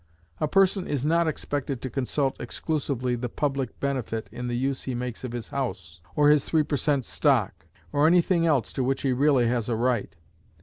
A person is not expected to consult exclusively the public benefit in the use he makes of his house, or his three per cent. stock, or any thing else to which he really has a right.